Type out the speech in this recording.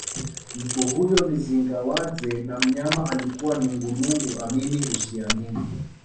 Mtu huyo ni Zigwadzee na mnyama alikuwa nungunungu amini usiamini